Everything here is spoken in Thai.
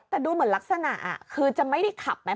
แต่ดูเหมือนลักษณะคือจะไม่ได้ขับไหม